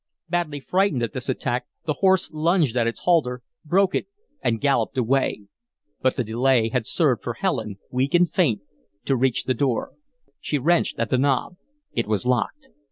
Badly frightened at this attack, the horse lunged at his halter, broke it, and galloped away; but the delay had served for Helen, weak and faint, to reach the door. She wrenched at the knob. It was locked.